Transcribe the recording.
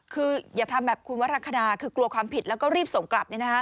คืออย่าทำแบบคุณวรคณาคือกลัวความผิดแล้วก็รีบส่งกลับ